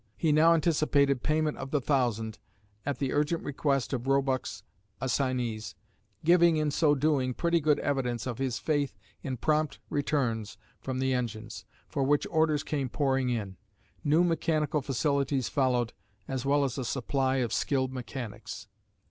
He now anticipated payment of the thousand, at the urgent request of Roebuck's assignees, giving in so doing pretty good evidence of his faith in prompt returns from the engines, for which orders came pouring in. New mechanical facilities followed, as well as a supply of skilled mechanics.